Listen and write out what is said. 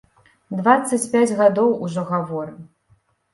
Дваццаць пяць гадоў ужо гаворым!